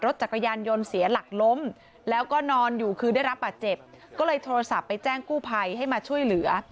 จักรยานยนต์เสียหลักล้มแล้วก็นอนอยู่คือได้รับบาดเจ็บก็เลยโทรศัพท์ไปแจ้งกู้ภัยให้มาช่วยเหลือ